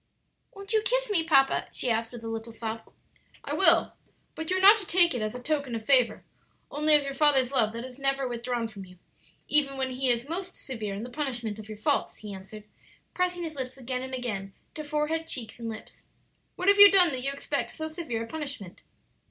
"Won't you kiss me, papa?" she asked, with a little sob. "I will; but you are not to take it as a token of favor; only of your father's love that is never withdrawn from you, even when he is most severe in the punishment of your faults," he answered, pressing his lips again and again to forehead, cheeks, and lips. "What have you done that you expect so severe a punishment?"